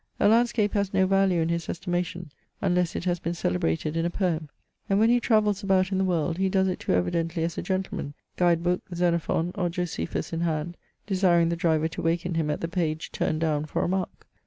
A landscape has no value in his estimation, unless it has been celebrated in a poem ; and when he travels about in the world, he does it too evidently as a gentleman, guide book, Xenophon, or Josephus in hand, desiring the driver to waken him at the page turned down for a mark.